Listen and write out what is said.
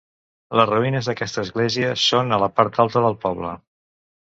Les ruïnes d'aquesta església són a la part alta del poble.